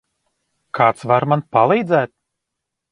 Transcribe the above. Kāds var man palīdzēt?